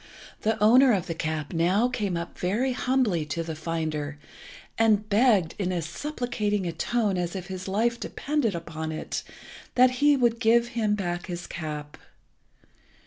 The owner of the cap now came up very humbly to the finder, and begged, in as supplicating a tone as if his life depended upon it, that he would give him back his cap.